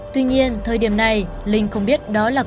tuy nhiên thời điểm này linh không biết đó là